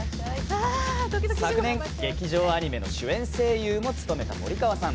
昨年、劇場アニメの主演声優も務めた森川さん。